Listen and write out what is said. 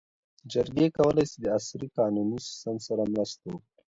جرګې کولی سي د عصري قانوني سیسټم سره مرسته وکړي.